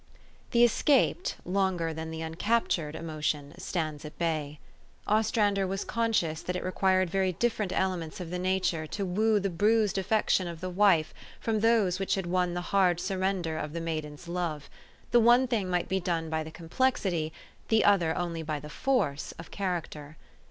THE escaped, longer than the uncaptured emotion stands at bay. Ostrander was conscious that it required very different elements of the nature to woo the bruised affection of the wife from those which had won the hard surrender of the maiden's love : the one thing might be done by the complexity, the other only by the force, of character.